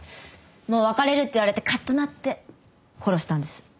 もう別れるって言われてかっとなって殺したんです。